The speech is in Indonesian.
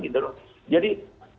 jadi kita harus bisa berpikir